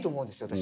私。